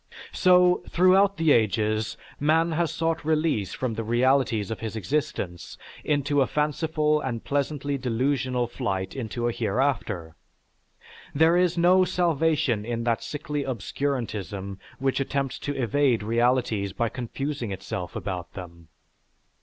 So, throughout the ages, man has sought release from the realities of his existence into a fanciful and pleasantly delusional flight into a hereafter. "There is no salvation in that sickly obscurantism which attempts to evade realities by confusing itself about them.